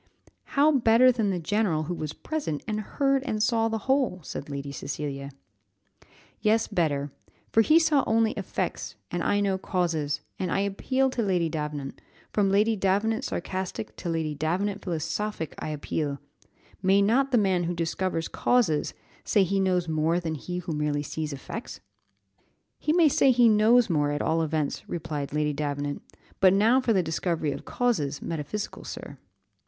"How better than the general, who was present, and heard and saw the whole?" said Lady Cecilia. "Yes, better, for he saw only effects, and I know causes; and I appeal to Lady Davenant, from Lady Davenant sarcastic to Lady Davenant philosophic I appeal may not the man who discovers causes, say he knows more than he who merely sees effects?" "He may say he knows more, at all events," replied Lady Davenant; "but now for the discovery of causes, metaphysical sir."